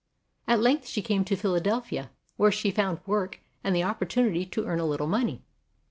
At length she came to Philadelphia, where she found work and the opportunity to earn a little money.